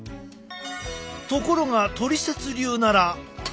ところがトリセツ流なら。